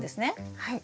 はい。